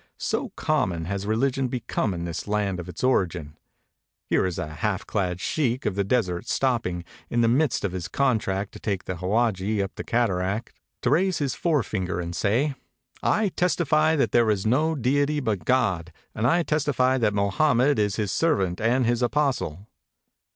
So com mon has religion become in this land of its origin ! Here is a half clad Sheikh of the desert stopping, in the midst of his contract to take the howadji up the cataract, to raise his forefinger and say, "I testify that there is no deity but God; and I testify that Mohammed is his serv^ant and his apostle."